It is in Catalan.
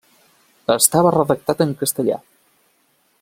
Estava redactat en castellà.